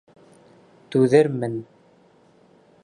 Түҙермен!